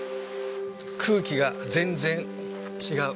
空気が全然違う。